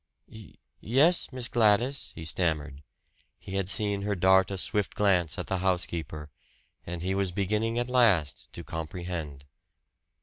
"Y yes, Miss Gladys," he stammered. He had seen her dart a swift glance at the housekeeper, and he was beginning at last to comprehend.